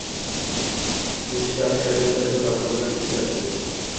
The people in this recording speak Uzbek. Nukusda askarlar ijod ahli bilan uchrashdi